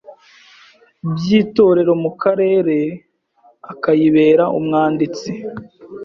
by’Itorero mu Karere akayibera umwanditsi.